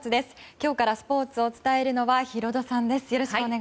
今日からスポーツを伝えるのはヒロドさんです。